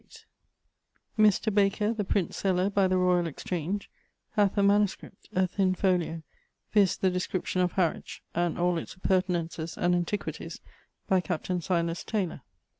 Mr. Baker, the printseller, by the Royal Exchange, hath a MS., a thin folio, viz. the description of Harwich and all its appurtenances and antiquities by capt. Silas Tayler.